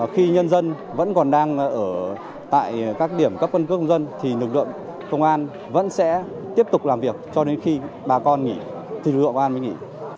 khi nhân dân vẫn còn đang ở tại các điểm cấp quân cước công dân thì lực lượng công an vẫn sẽ tiếp tục làm việc cho đến khi bà con nghỉ thì lực lượng công an mới nghỉ